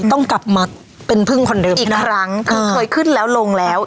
ต้องกลับมาเป็นพึ่งคนเดิมอีกครั้งคือเคยขึ้นแล้วลงแล้ว